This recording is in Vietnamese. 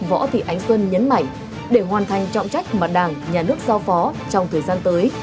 võ thị ánh xuân nhấn mạnh để hoàn thành trọng trách mà đảng nhà nước giao phó trong thời gian tới